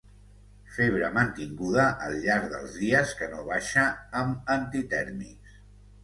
Febre mantinguda al llarg dels dies que no baixa amb antitèrmics.